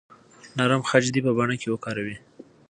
نرم خج دې په بڼه کې وکاروئ.